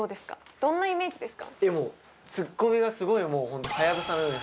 どんなイメージですか？